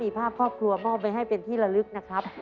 มีภาพครอบครัวมอบไปให้เป็นที่ละลึกนะครับ